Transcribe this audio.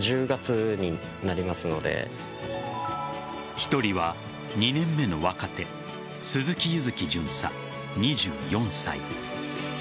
１人は２年目の若手鈴木譲紀巡査、２４歳。